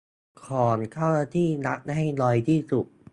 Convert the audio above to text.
ของเจ้าหน้าที่รัฐให้น้อยที่สุด